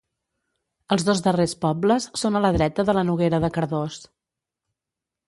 Els dos darrers pobles són a la dreta de la Noguera de Cardós.